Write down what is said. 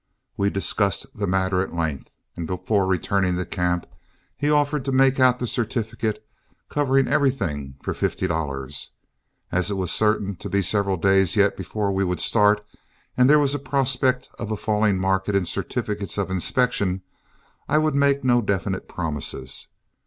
We discussed the matter at length, and before returning to camp, he offered to make out the certificate, covering everything, for fifty dollars. As it was certain to be several days yet before we would start, and there was a prospect of a falling market in certificates of inspection, I would make no definite promises.